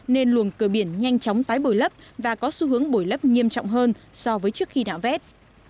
nên luồng cửa biển nhanh chóng tái bồi lấp và có xu hướng bồi lấp nghiêm trọng hơn so với trước khi nạo vét